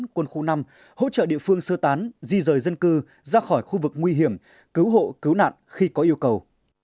quân khu năm hỗ trợ địa phương sơ tán di rời dân cư ra khỏi khu vực nguy hiểm cứu hộ cứu nạn khi có yêu cầu